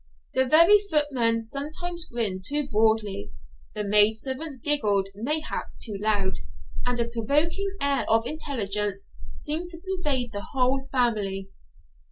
The very footmen sometimes grinned too broadly, the maidservants giggled mayhap too loud, and a provoking air of intelligence seemed to pervade the whole family.